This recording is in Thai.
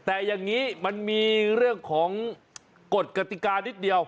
แต่อย่างนี้มันมีเรื่องของกฎกติกานิดเดียว